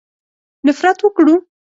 نفرت وکړو.